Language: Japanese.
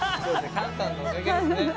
カンさんのおかげですね。